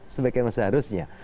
sebaik yang seharusnya